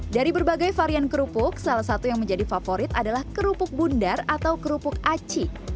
dari berbagai varian kerupuk salah satu yang menjadi favorit adalah kerupuk bundar atau kerupuk aci